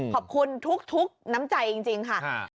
ขอบคุณทุกน้ำใจจริงค่ะ